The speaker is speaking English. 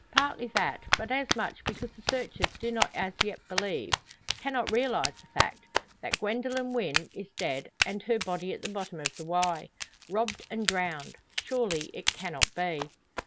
Partly that, but as much because the searchers do not as yet believe cannot realise the fact that Gwendoline Wynn is dead, and her body at the bottom of the Wye! Robbed and drowned! Surely it cannot be?